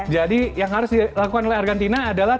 jadi yang harus dilakukan oleh argentina adalah